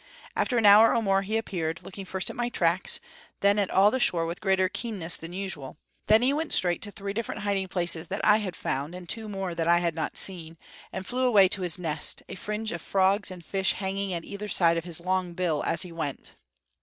After an hour or more he appeared, looking first at my tracks, then at all the shore with greater keenness than usual; then he went straight to three different hiding places that I had found, and two more that I had not seen, and flew away to his nest, a fringe of frogs and fish hanging at either side of his long bill as he went.